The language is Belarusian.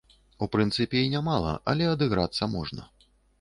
У прынцыпе і нямала, але адыграцца можна.